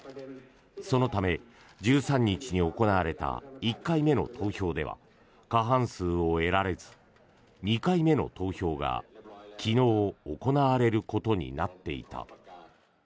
そのため１３日に行われた１回目の投票では過半数を得られず２回目の投票が昨日、行われることになっていた。